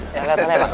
ya alih alih pak